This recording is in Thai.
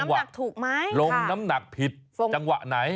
ลงน้ำหนักถูกไหมค่ะลงน้ำหนักผิดจังหวะไหน